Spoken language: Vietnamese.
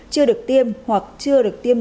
chưa được tiêm hoặc chưa được tiêm